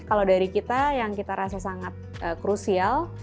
kalau dari kita yang kita rasa sangat krusial